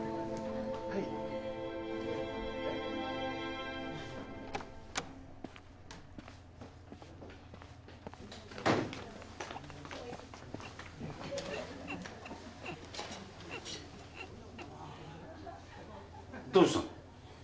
はいどうしたの？